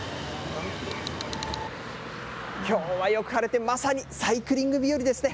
きょうはよく晴れて、まさにサイクリング日和ですね。